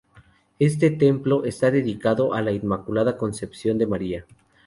Este templo está dedicado a la Inmaculada Concepción de María.